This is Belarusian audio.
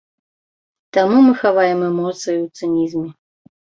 Таму мы хаваем эмоцыі у цынізме.